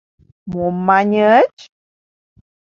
— Мом маньыч?..